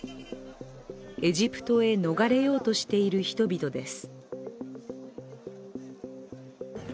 エジプトへ逃れようとしている人々です。